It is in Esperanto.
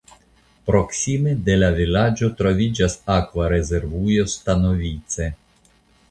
Proksime de la vilaĝo troviĝas akva rezervujo Stanovice.